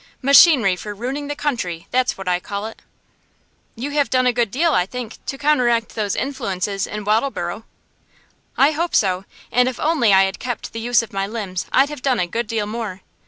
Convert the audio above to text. Machinery for ruining the country, that's what I call it.' 'You have done a good deal, I think, to counteract those influences in Wattleborough.' 'I hope so; and if only I had kept the use of my limbs I'd have done a good deal more.